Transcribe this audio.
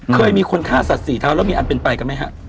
เคยมีคนฆ่าสัตว์สี่เท้าแล้วมีอันเป็นไปกันไหมฮะ